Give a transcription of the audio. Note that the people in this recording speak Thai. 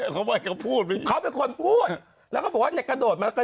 เขาเป็นคนพูดแล้วก็บอกว่าจะกระโดดมาก